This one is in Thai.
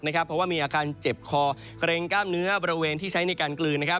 เพราะว่ามีอาการเจ็บคอเกรงกล้ามเนื้อบริเวณที่ใช้ในการกลืน